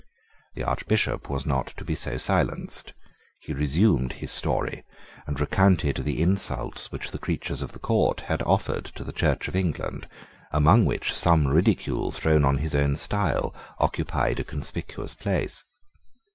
The Archbishop was not to be so silenced. He resumed his story, and recounted the insults which the creatures of the court had offered to the Church of England, among which some ridicule thrown on his own style occupied a conspicuous place.